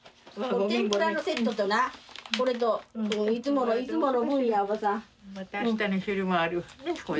天ぷらのセットとなこれといつものいつもの分やおばさん。